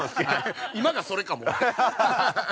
今がそれかも。